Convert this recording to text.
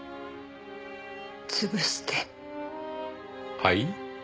はい？